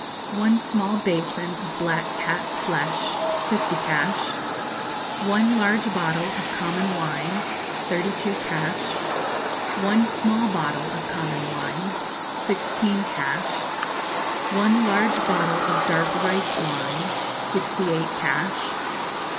One small basin of black cat's flesh fifty cash. One large bottle of common wine thirty two cash. One small bottle of common wine sixteen cash. One large bottle of dark rice wine sixty eight cash.